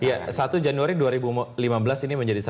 iya satu januari dua ribu lima belas ini menjadi satu